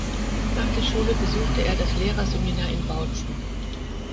Nach der Schule besuchte er das Lehrerseminar in Bautzen.